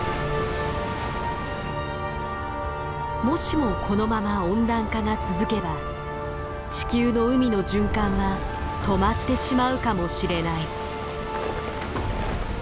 もしもこのまま温暖化が続けば地球の海の循環は止まってしまうかもしれない。